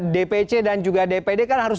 dpc dan juga dpd kan harus